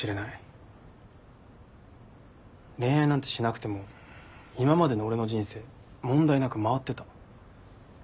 恋愛なんてしなくても今までの俺の人生問題なく回ってた。